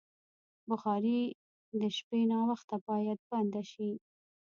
بخاري د شپې ناوخته باید بنده شي.